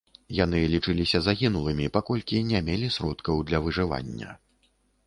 Яны лічыліся загінулымі, паколькі не мелі сродкаў для выжывання.